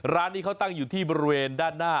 ร้านนี้เขาตั้งอยู่ที่บริเวณด้านหน้า